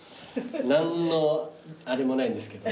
何のあれもないんですけど。